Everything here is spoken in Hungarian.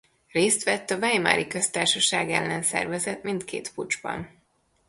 Részt vett a weimari köztársaság ellen szervezett mindkét puccsban.